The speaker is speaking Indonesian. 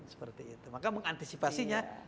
seperti itu maka mengantisipasinya